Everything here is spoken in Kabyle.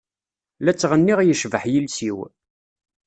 La ttɣenniɣ yecbeḥ yiles-iw.